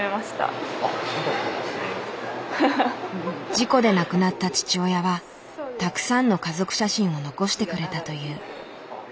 事故で亡くなった父親はたくさんの家族写真を残してくれたという。